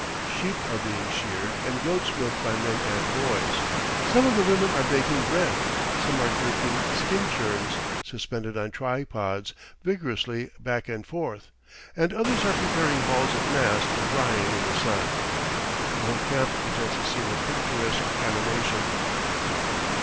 Sheep are being sheared and goats milked by men and boys; some of the women are baking bread, some are jerking skin churns, suspended on tripods, vigorously back and forth, and others are preparing balls of mast for drying in the sun. The whole camp presents a scene of picturesque animation.